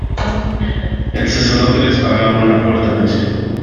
El sacerdote les pagaba una corta pensión.